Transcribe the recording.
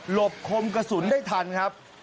บคมกระสุนได้ทันครับ